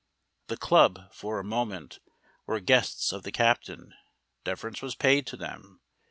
The club, for a moment, were guests of the captain; deference was paid to them.